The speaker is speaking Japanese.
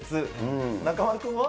中丸君は？